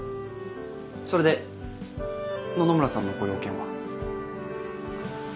それで野々村さんのご用件は？